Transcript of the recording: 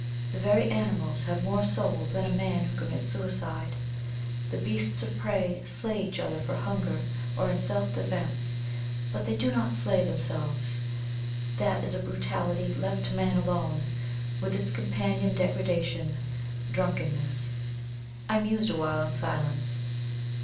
The very animals have more soul than a man who commits suicide. The beasts of prey slay each other for hunger or in self defence, but they do not slay themselves. That is a brutality left to man alone, with its companion degradation, drunkenness." I mused awhile in silence.